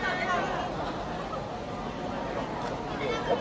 สวัสดีครับ